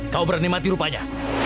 kau berani mati rupanya